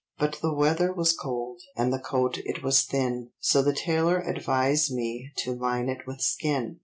But the weather was cold, and the coat it was thin, So the tailor advised me to line it with skin.